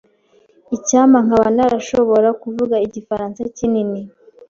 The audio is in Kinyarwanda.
Icyampa nkaba narashobora kuvuga Igifaransa kinini.